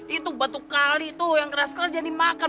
itu batu kali tuh yang keras keras jangan dimakan